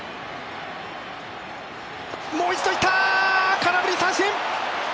空振り三振！